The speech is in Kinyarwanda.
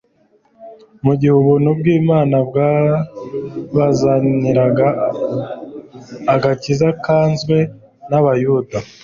mu gihe ubuntu bw'Imana bwabazaniraga agakiza kanzwe n'abayuda.